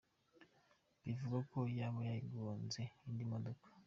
Bivugwa ko yaba yagonze indi modoka.